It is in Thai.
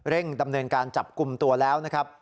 ดำเนินการจับกลุ่มตัวแล้วนะครับ